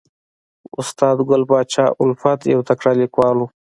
استاد ګل پاچا الفت یو تکړه لیکوال و